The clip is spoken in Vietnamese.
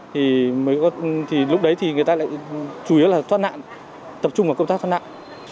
thì lúc đấy thì người ta lại chủ yếu là thoát nạn tập trung vào công tác thoát nạn